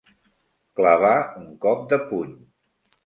Clavar un cop de puny.